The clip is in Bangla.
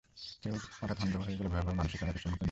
কেউ হঠাৎ অন্ধ হয়ে গেলে ভয়াবহ মানসিক আঘাতের সম্মুখীন হয়।